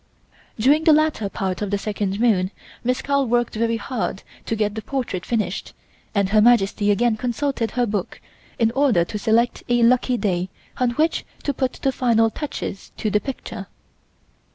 During the latter part of the second moon Miss Carl worked very hard to get the portrait finished and Her Majesty again consulted her book in order to select a lucky day on which to put the final touches to the picture.